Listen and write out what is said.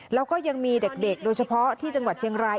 แล้วก็ยังมีเด็กโดยเฉพาะที่จังหวัดเชียงราย